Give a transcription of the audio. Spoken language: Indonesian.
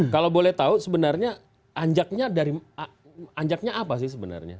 kalau boleh tahu sebenarnya anjaknya apa sih sebenarnya